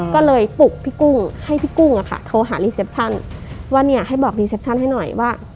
ก็เลยปลุกพี่กุ้งให้พี่กุ้งอะค่ะโทรหารีเซปชั่นว่าเนี่ยให้บอกรีเซปชั่นให้หน่อยว่า